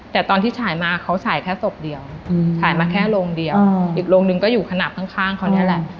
แต่ตอนที่ฉายมาเขาฉายแค่ศพเดียวฉายมาแค่โรงเดียวอีกโรงนึงก็อยู่ขนาดข้างเขานี่แหละ